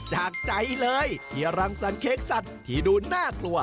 จากใจเลยที่รังสรรเค้กสัตว์ที่ดูน่ากลัว